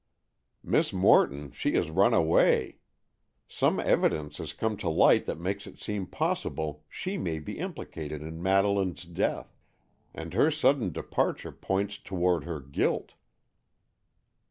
"Miss Morton, she has run away. Some evidence has come to light that makes it seem possible she may be implicated in Madeleine's death, and her sudden departure points toward her guilt."